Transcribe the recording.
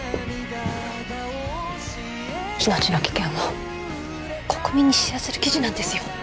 命の危険を国民に知らせる記事なんですよ